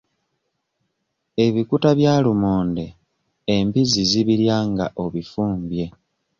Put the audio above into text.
Ebikuta bya lumonde embizzi zibirya nga obifumbye.